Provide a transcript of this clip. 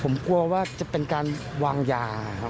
ผมกลัวว่าจะเป็นการวางยาครับ